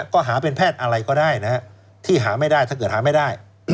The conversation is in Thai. ก็หาเป็นแพทย์อะไรก็ได้ที่หาไม่ได้ถ้าเกิดหาไม่ได้